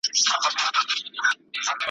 نیلی د خوشحال خان چي په دې غرونو کي کچل دی .